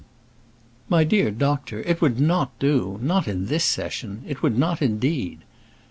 "My dear doctor, it would not do; not in this session; it would not indeed."